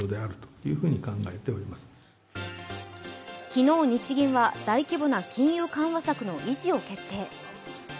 昨日、日銀は、大規模な金融緩和策の維持を決定。